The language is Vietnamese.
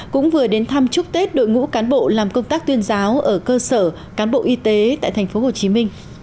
cũng vừa đến thăm chúc tết đội ngũ cán bộ làm công tác tuyên giáo ở cơ sở cán bộ y tế tại tp hcm